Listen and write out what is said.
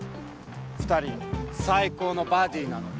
２人最高のバディーなのに。